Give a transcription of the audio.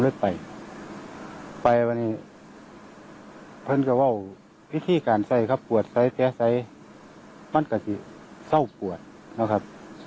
อาการปวดมันก็หายไปครับรถทางไก่ก็เบาะเปริวดครับ